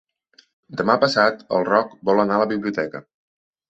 Demà passat en Roc vol anar a la biblioteca.